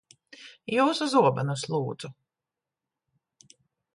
Jūsu zobenus, lūdzu.